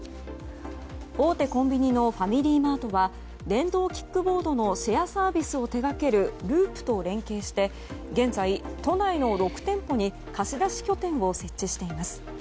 大手コンビニのファミリーマートは電動キックボードのシェアサービスを手掛けるＬＵＵＰと連携して現在、都内の６店舗に貸し出し拠点を設置しています。